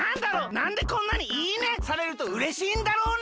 なんでこんなに「いいね」されるとうれしいんだろうね？